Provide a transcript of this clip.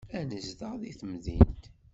Ad nezdeɣ deg temdint.